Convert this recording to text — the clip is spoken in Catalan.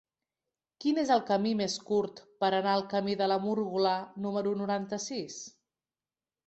Quin és el camí més curt per anar al camí de la Múrgola número noranta-sis?